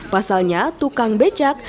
pasalnya tukang becak